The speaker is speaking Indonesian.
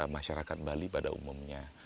masyarakat bali pada umumnya